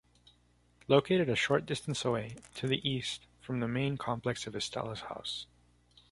Located a short distance away, to the east, from the main complex of Estela’s house.